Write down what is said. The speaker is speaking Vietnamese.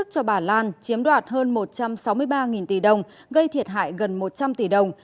cho bà lan chiếm đoạt hơn một trăm sáu mươi ba tỷ đồng gây thiệt hại gần một trăm linh tỷ đồng